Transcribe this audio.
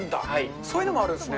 そういうのもあるんですね。